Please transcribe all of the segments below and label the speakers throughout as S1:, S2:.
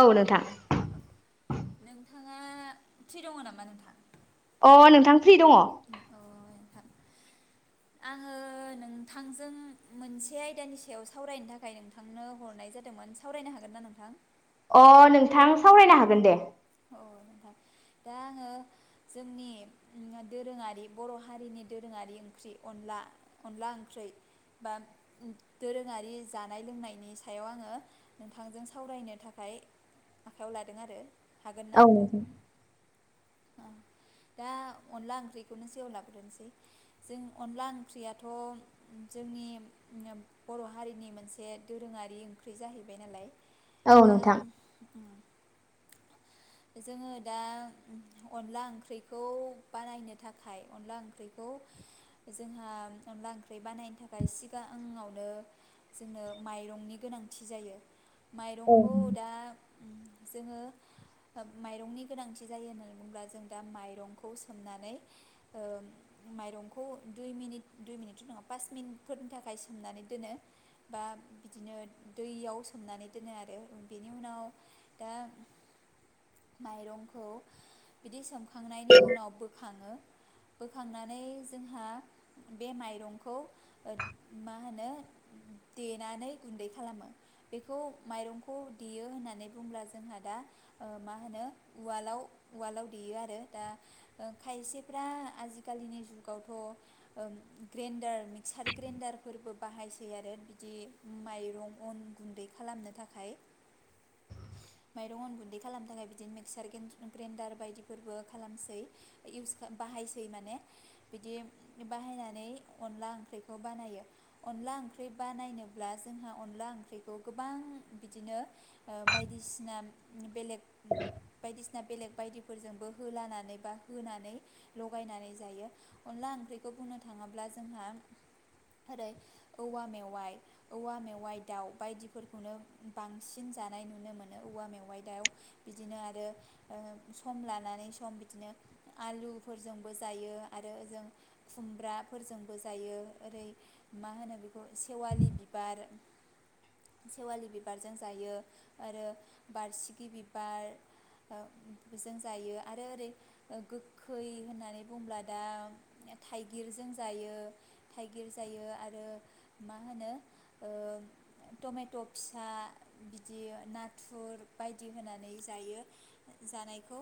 S1: औ नोंथां।
S2: नोंथाङा प्रि दङ नामा नोंथां?
S1: अ नोंथां फ्रि दङ?
S2: अ नोंथां आङो नोंथांजों मोनसे आयदानि सायाव सावरायनो थाखाय नोंथांनो हरनाय जादोंमोन सावरायनो हागोन ना नोंथां?
S1: अ नोंथां सावरायनो हागोन दे।
S2: अ नोंथां दा आङो जोंनि दोरोङारि बर' हारिनि दोरोङारि ओंख्रि अनला अनला ओंख्रि बा दोरोङारि जानाय लोंनायनि सायाव आङो नोंथांजों सावरायनो थाखाय आखायाव लादों आरो। हागोन ना नोंथां? दा अनला ओंख्रिखौनो सेव लाग्रोनोसै जों अनला ओंख्रियाथ' जोंनि बर' हारिनि मोनसे दोरोङारि ओंख्रि जाहैबाय नालाय
S1: औ
S2: दा
S1: नोंथां
S2: जोङो दा अनला ओंख्रिखौ बानायनो थाखाय अनला ओंख्रिखौ जोंहा अनला ओंख्रि बानायनो थाखाय सिगाङावनो जोंनो माइरंनि गोनांथि जायो।
S1: औ
S2: माइरंखौ
S1: नोंथां
S2: दा जोङो माइरंनि गोनांथि जायो होननानै बुङोब्ला जों दा माइरंखौ सोमनानै माइरंखौ दुइ मिनिट दुइ मिनिटथ' नङा पास मिनिटफोरनि थाखाय सोमनानै दोनो बा बिदिनो दैयाव सोमनानै दोनो आरो बेनि उनाव दा माइरंखौ बिदि सोमखांनायनि उनाव बोखाङो बोखांनानै जोंहा बे माइरंखौ मा होनो देनानै गुन्दै खालामो बेखौ माइरंखौ देयो होननानै बुंब्ला जोंहा दा मा होनो उवालाव उवालाव देयो आरो दा खायसेफ्रा आजिखालिनि जुगावथ' ग्रेन्डार मिक्सार ग्रेनन्दारफोरबो बाहायसै आरो बिदि माइरं अन गुन्दै खालामनो थाखाय माइरं अन गुन्दै खालामनो थाखाय बिदि मिक्सार ग्रेन्दार बायदिफोरबो खालामसै इउस बाहायसै माने बिदि बाहायनानै अनला ओंख्रिखौ बानायो अनला ओंख्रि बानायनोब्ला जोंहा अनला ओंख्रिखौ गोबां बिदिनो बायदिसिना बेलेग बायदिसि ना बेलेग बायदिफोरजोंबो होलानानै बा होनानै लगायनानै जायो अनला ओंख्रिखौ बुंनो थाङोब्ला जोंहा ओरै औवा मेवाइ औवा मेवाइ दाउ बायदिफोरखौनो बांसिन जानाय नुनो मोनो औवा मेवाइ दाउ बिदिनो आरो सम लानानै सम बिदिनो आलुफोरजोंबो जायो आरो ओजों खुमब्राफोरजोंबो जायो ओरै मा होनो बेखौ सेवालि बिबार सेवालि बिबारजों जायो आरो बारसिगि बि बारजों जायो आरो ओरै गोखै होननानै बुंब्ला दा थाइगिरजों जायो थाइगिर जायो आरो मा होनो टमेट' फिसा बिदि नाथुर बायदि होना नै जायो जानायखौ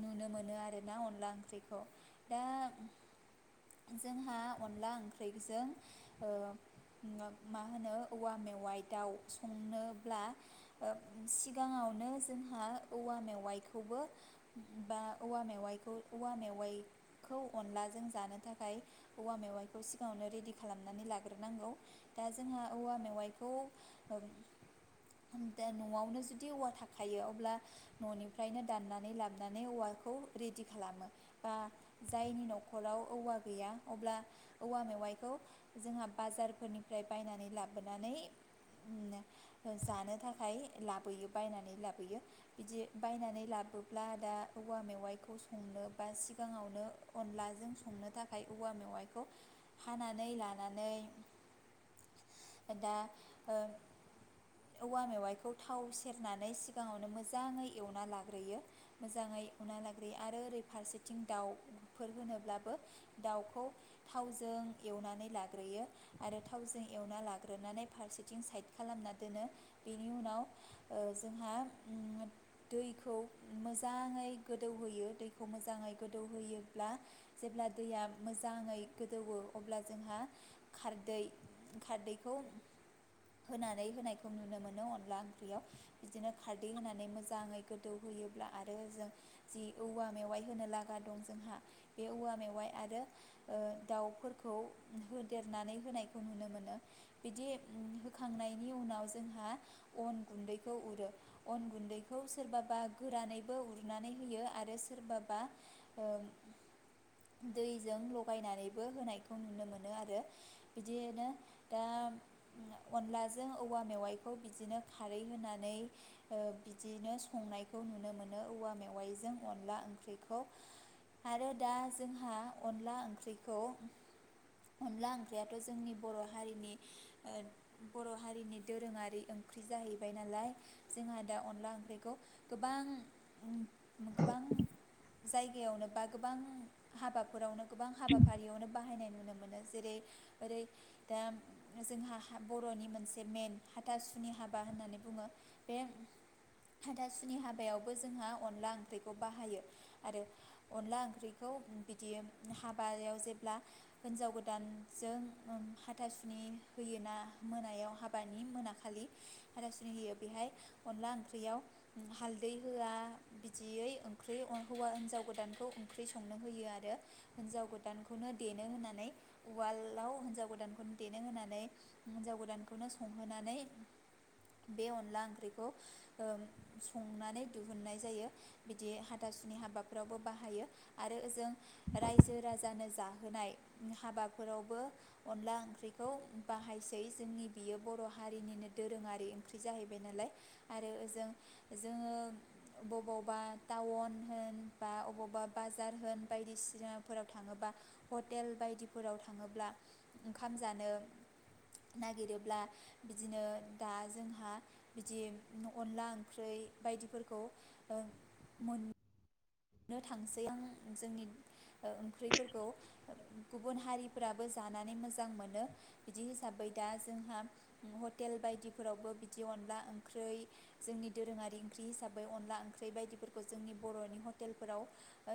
S2: नुनो मोनो आरोना अनला ओंख्रिखौ। दा जोंहा अनला ओंख्रिजों मा होनो औवा मेवाइ दाउ संनोब्ला सिगाङावनो जों औवा मेवाइखौबो बा औवा मेवाइखौ औवा मेवाइखौ अनलाजों जानो थाखाय औवा मेवाइखौ सिगाङावनो रेडि खालामनानै लाग्रोनांगौ दा जोंहा औवा मेवाइखौ दा न'आवनो जुदि औवा थाखायो अ ब्ला न'निफ्रायनो दाननानै लाबोनानै औवाखौ रेडि खालामो बा जायनि न'खराव औवा गैया अब्ला औवा मेवाइखौ जोंहा बाजारफोरनिफ्राय बायनानै लाबोनानै जानो थाखाय लाबोयो बायनानै लाबोयो। बिदि बायनानै लाबोब्ला दा औवा मेवाइखौ संनो बा सिगाङावनो अनलाजों संनो थाखाय औवा मेवाइखौ हानानै लानानै दा औवा मेवाइखौ थाव सेरनानै सिगाङावनो मो जाङै एवना लाग्रोयो मोजाङै एवना लाग्रोयो आरो ओरै फारसेथिं दाउफोर होनोब्लाबो दाउखौ थावजों एवनानै लाग्रोयो आरो थावजों एवना लाग्रोनानै फारसेथिं साइद खालामना दोनो बेनि उनाव जोंहा दैखौ मोजाङै गोदौहोयो दैखौ मोजाङै गोदौहोयोब्ला जेब्ला दैया मोजाङै गोदौयो अब्ला जोंहा खारदै खारदैखौ होनानै होनायखौ नुनो मोनो अनला ओंख्रियाव बिदिनो खारदै होनानै मोजाङै गोदौहोयोब्ला आरो जों जि औवा मेवाइ होनो लागा दं जोंहा बे औवा मेवाइ आरो दाउफोरखौ होदेरनानै होनायखौ नुनो मोनो बिदि होखांनायनि उनाव जोंहा अन गुन्दैखौ उरो अन गुन्दैखौ सोरबाबा गोरानैबो उरनानै होयो आरो सोरबाबा दैजों लगायनानैबो होनायखौ नुनो मोनो आरो बिदिनो दा अनलाजों औवा मेवाइखौ बिदिनो खारै होनानै बिदिनो संनायखौ नुनो मोनो औवा मेवाइजों अनला ओंख्रिखौ आरो दा जोंहा अनला ओंख्रिखौ अनला ओंख्रियाथ' जोंनि बर' हारिनि बर' हारिनि दोरोङारि ओंख्रि जाहैबाय नालाय जोंहा दा अनला ओंख्रिखौ गोबां गोबां जायगायावनो बा गोबां हाबाफोरावनो गोबां हाबाफारियावनो बाहायनाय नुनो मोनो जेरै ओरै दा जोंहा बर'नि मोनसे मेन हाथासुनि हाबा होननानै बुङो। बे हाथासुनि हाबायावबो जोंहा अनला ओंख्रिखौ बाहायो आरो अनला ओंख्रिखौ बिदि हाबायाव जेब्ला हिनजाव गोदानजों हाथासुनि होयो ना मोनायाव हाबानि मोनाखालि हाथासुनि होयो बेहाय अनला ओंख्रियाव हालदै होआ बिदियै ओंख्रि हिनजाव गोदानखौ ओंख्रि संनो होयो आरो हिनजाव गोदानखौनो देनो होनानै उवालाव हिनजाव गोदानखौनो देनो होनानै हिनजाव गोदानखौनो संहोनानै बे अनला ओंख्रि खौ संनानै दिहुुननाय जायो बिदि हाथासुनि हाबाफोरावबो बाहायो आरो ओजों रायजो राजानो जाहोनाय हाबाफोरावबो अनला ओंख्रिखौ बाहायसै जोंनि बियो बर' हारिनिनो दोरोङारि ओंख्रि जाहैबाय नालाय आरो ओजों जोङो बबावबा टाउन होन बा अबावबा बाजार होन बायदिसिनाफोराव थाङोबा हटेल बायदिफोराव थाङोब्ला ओंखाम जानो नागिरोब्ला बिदिनो दा जोंहा बिदि अनला ओंख्रि बायदिफोरखौ मो ननो थांसै आं जोंनि ओंख्रिफोरखौ गुबुन हारिफोराबो जानानै मोजां मोनो बिदि हिसाबै दा जोंहा हटेल बायदिफोरावबो बिदि अनला ओंख्रि जोंनि दोरोङारि ओंख्रि हिसाबै अनला ओंख्रि बायदिफोरखौ जोंनि बर'नि हटेलफोराव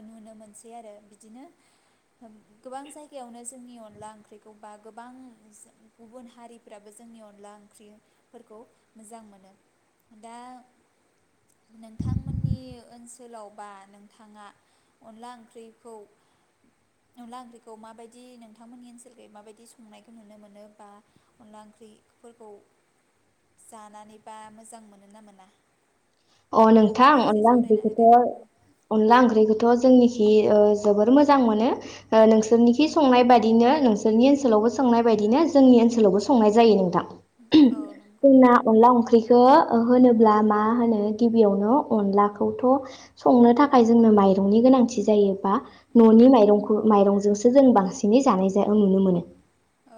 S2: नुनो मोनसै आरो बिदिनो गोबां जायगायावनो जोंनि अन ला ओंख्रिखौ बा गोबां गुबुन हारिफ्राबो जोंनि अनला ओंख्रिफोरखौ मोजां मोनो दा नोंथांमोननि ओनसोलाव बा। नोंथाङा अनला ओंख्रिखौ अनला ओंख्रिखौ माबायदि नोंथांमोननि ओनसोलखो माबायदि संनायखौ नुनो मोनो बा अनला ओंख्रिफोरखौ जानानै बा मोजां मोनो ना मोना?
S1: अ नोंथां
S2: नोंथाङाबो एसे
S1: अनला ओंखि
S2: सावरायना होदो
S1: बेखौथ'। अनला ओंख्रिखौथ' जोंनिखि जोबोर मोजां मोनो नोंसोरनिखि संनाय बायदिनो नोंसोरनि ओनसोलावबो संनाय बायदिनो जोंनि ओनसोलावबो संनाय जायो नोंथां।
S2: औ नंगौ
S1: जोंना
S2: नोंथां
S1: अनला ओंख्रिखौ। होनोब्ला मा होनो। गिबियावनो अनलाखौथ' संनो थाखाय जोंनो माइरंनि गोनांथि जायोबा न'नि माइरंखौ माइरंजोंसो जों बांसिनै जानाय जायो। नुनो मोनो
S2: औ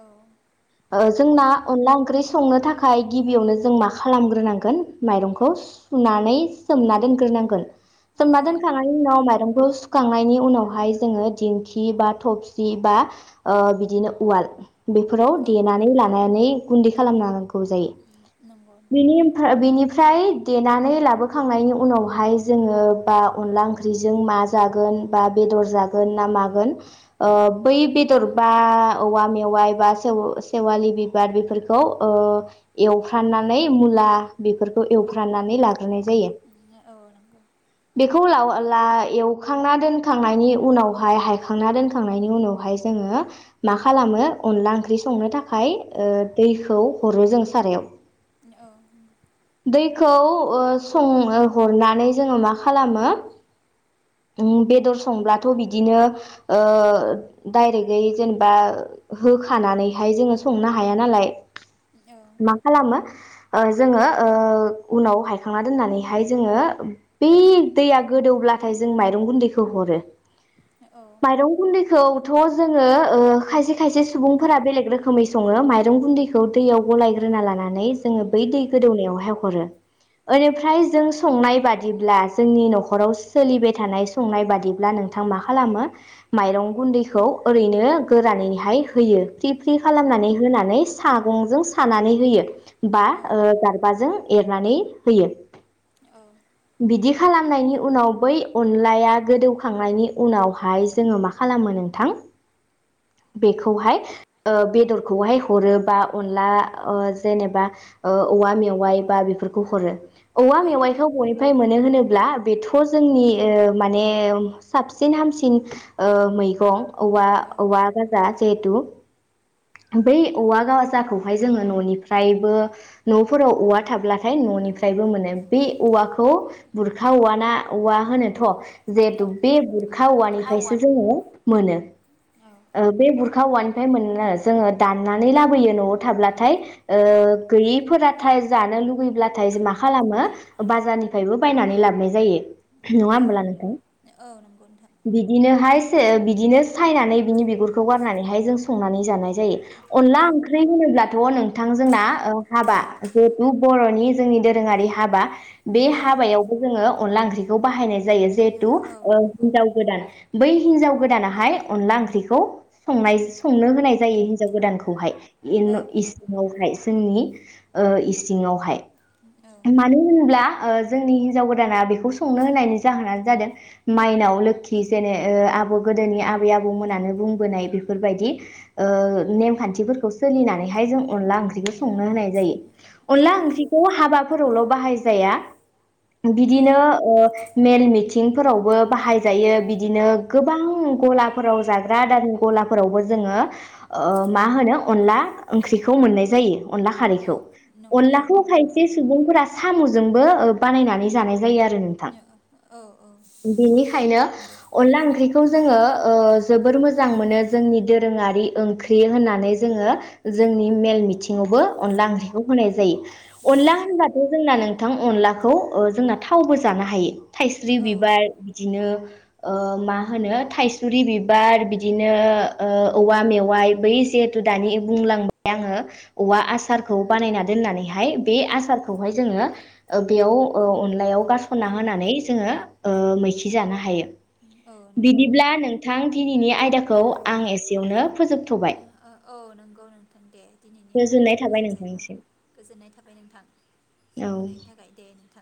S1: जोंना
S2: नंगौ
S1: अनला ओंख्रि संनो थाखाय। थाखाय गिबियावनो जों मा खालामग्रोनांगोन माइरंखौ। फुनानै सोमना दोनग्रोनांगोन। जोमना
S2: औ नंगौ
S1: दोनखांनायनि उनाव
S2: नोंथां
S1: माइरंखौ सुखांनायनि उनाव। बेवहाय जोङो दिंखि बा थफसि बा बिदिनो उवाल। बेफोराव
S2: औ
S1: देनानै लानानै। गुन्दै खालामनो होन।
S2: नंगौ
S1: नि बेनिफ्राय। फ्राय। देनानै लाबोखांनायनि उनावहाय जोङो बा अनला ओंख्रिजों मा जागोन बा बेदर जागोन ना मागोन बै बेदर बा औवा मेवाइ बा सेव सेवालि बिबार बेफोरखौ एवफ्राननानै मुला बेफोरखौ एव फ्राननानै लाग्रोनाय जायो
S2: औ नंगौ औ
S1: बेखौ ल एवखांना दोनखांनायनि उनावहाय हायखांना दोनखांनायनि उनावहाय जोङो मा खालामो अनला ओंख्रि संनो थाखाय दैखौ हरो जों सारायाव
S2: औ।
S1: दैखौ सं हरनानै जोङो मा खालामो बेदर संब्लाथ' बिदिनो डायरेक्टयै जेनेबा होखानानैहाय जोङो संनो हाया नालाय मा खालामो। ओ जोङो ओ। उनाव हायखांना दोननानैहाय जोङो बै दैया गोदौब्लाथाय जों माइरं गुन्दैखौ हरो। माइरं गुन्दैखौ। थ' जोङो खायसे खायसे सुबुंफोरा बेलेग रोखोमै सङो माइरं गुन्दैखौ दैयाव गलायग्रोना लानानै जोङो बै दै गोदौनायावहाय। हरो निफ्राय जों संनाय बादिब्ला जोंनि न'खराव सोलिबाय थानाय संनाय बादिब्ला नोंथां मा खालामो माइरं गुन्दैखौ ओरैनो गोरानैहाय होयो। फ्रि फ्रि खालामनानै होनानै। सागंजों सानानै होयो। बा गारबाजों। एरनानै होयो
S2: औ
S1: बिदि खालामनायनि उनाव बै अनलाया गोदौखांनायनि उनावहाय जोङो मा खालामो नोंथां बेखौहाय बेदरखौहाय हरोबा अनला जेनेबा औवा मेवाय बा बेफोरखौ हरो। औवा
S2: औ
S1: मेवाय खौ बयबो ओमफ्राय मोनो होनोब्ला बेथ' जोंनि माने साबसिन हामसिन मैगं। औवा
S2: औ
S1: औवा बाजार जेहेथु बै औवागाजाखौ हाय जोङो न'निफ्रायबो न'फोराव औवा। थाब्लाथाय न'निफ्रायबो मोनो बे औवाखौ बुरखा औवा ना औवा होनोथ' जिहेतु
S2: औ
S1: बे बुरखा औवानिफ्रायसो
S2: खावन
S1: जोङो मोनो।
S2: औ
S1: बे बुर औवानिफ्राय मोनो जोङो दाननानै लाबोयो न'आव थाब्लाथाय ओ गैयैफोराथाय जानो लुुबैब्लाथाय मा खालामो बाजारनिफ्रायबो बायनानै लाबाय जायो। नङा
S2: औ
S1: ओमब्ला नोंथां?
S2: औ नंगौ नोंथां
S1: बिदिनोहाय थो बिदिनो सायनानै बिनि बिगुरखौ गारनानैहाय जों संनानै जानाय जायो। अला
S2: औ
S1: ओंख्रै बुङोब्ला थ' नोंथां जोंना ओ हाबा जेथु बर'नि जोंनि दोरोङारि हाबा बे
S2: औ नंगौ
S1: हाबायावबो जोङो अला ओंख्रिखौ बाहायनाय जायो। जेथु
S2: औ नंगौ औ नंगौ नोंथां औ
S1: ओ
S2: नंगौ
S1: हिन्जाव गोदान बै हिनजाव गोदानाहाय अनला ओंख्रिखौ संनाय-संनो होनाय जायो हिनजाव गोदानखौहाय।
S2: औ
S1: इन-इसिङावहाय। जोंनि ओ इसिङावहाय।
S2: औ
S1: मानो होनोब्ला ओ जोंनि हिन्जाव गोदाना बेखौ संनो होनायनि जाहोनानो जादों माइनाव लोखि जेने ओह आबौ गोदोनि आबै आबौमोनानो बुंबोनाय बिफोरबायदि ओह नेम खान्थिफोरखौ सोलिनानैहाय जों अनला ओंख्रिखौ संनो होनाय अनला ओंख्रिखौ हाबा फोरावल' बाहायजाया। बिदिनो ओह मेल मिथिंफोरावबो बाहायजायो। बिदिनो गोबां गलाफोराव जाग्रा आदारनि गलाफोरावबो जोङो ओह मा होनो अनला ओंख्रिखौ मोननाय जायो। अनला खारैखौ। अनलाखौ खायसे सुबुंफोरा साम'जोंबो ओ बानायनानै जानाय जायो आरो नोंथां बेनिखायनो अनला ओंख्रिखौ जोङो ओह जोबोर मोजां मोनो जोंनि दोरोङारि ओंख्रि होननानै जोङो जोंनि मेल मिथिङावबो अनला ओंख्रि खौ होनाय जायो। अनला होनबाथ' जोंना नोंथां अनलाखौ ओ जोंना थावबो जानो हायो। थाइस्रि बिबार दिनो ओह मा होनो थाइसुरि बिबार बिदिनो ओह औवा मेवाइ बै जिहेथु दानि बुंलांबाय आङो औवा आसारखौ खौ बानायना दोननानै हाय बे आसारखौहाय जोङो ओ बेयाव अनलायाव गारसनना होनानै जोङो ओह मैखि जानो हायो।
S2: औ
S1: बिदिब्ला नोंथां दिनैनि आय दाखौ आं एसेयावनो फोजोबथ'बाय।
S2: ओ औ नंगौ नोंथां दे दिनैनि आयदाखौ
S1: गोजोननाय
S2: बेयावनो
S1: थाबाय
S2: फोजोबनोसै।
S1: नोंथांनिसिम
S2: गोजोननाय थाबाय नोंथां। सम
S1: औ
S2: होननायनि थाखाय दे नोंथां।